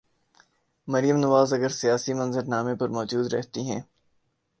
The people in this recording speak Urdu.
مریم نواز اگر سیاسی منظر نامے پر موجود رہتی ہیں۔